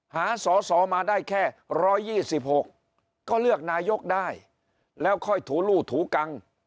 หาสอสอมาได้แค่๑๒๖ก็เลือกนายกได้แล้วค่อยถูลู่ถูกัง